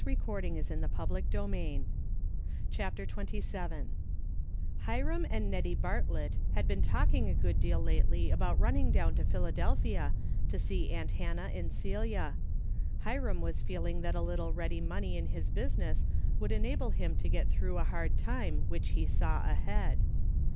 Who would 'a' thought itC' CHAPTER XXYIL Hiram and Xettie Bartlett had been talking a good deal lately about running down to Philadelphia to see aunt Hannah and Celia. Hiram was feeling that a little ready money in his business would enable him to get through a hard time which he saw ahead.